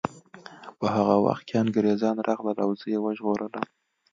په هغه وخت کې انګریزان راغلل او زه یې وژغورلم